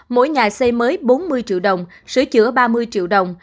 mỗi nhà xây mới bốn mươi triệu đồng sửa chữa ba mươi triệu đồng